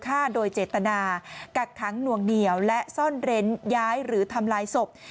ฆ่าโดยเจตนากักขังหน่วงเหนียวและซ่อนเร้นย้ายหรือทำลายศพ